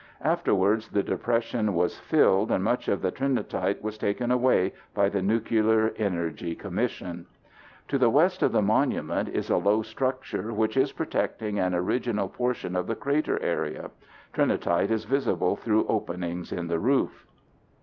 Afterwards the depression was filled and much of the Trinitite was taken away by the Nuclear Energy Commission. To the west of the monument is a low structure which is protecting an original portion of the crater area. Trinitite is visible through openings in the roof.